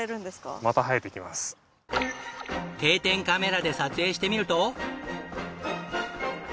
定点カメラで撮影してみると。